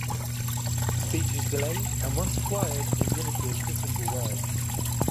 Speech is delayed and once acquired is limited to single words.